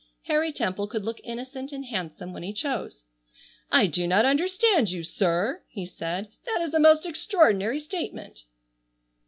Harry Temple could look innocent and handsome when he chose. "I do not understand you, sir!" he said. "That is a most extraordinary statement!"